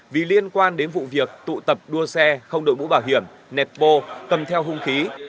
vì liên quan đến vụ việc tụ tập đua xe không đội mũ bảo hiểm nẹt bô cầm theo hung khí